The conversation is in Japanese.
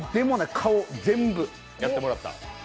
顔全部やってもらって。